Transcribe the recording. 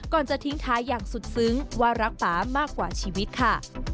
จะทิ้งท้ายอย่างสุดซึ้งว่ารักป๊ามากกว่าชีวิตค่ะ